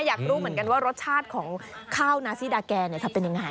อยากรู้เหมือนกันว่ารสชาติของข้าวนาซี่ดาแกจะเป็นยังไง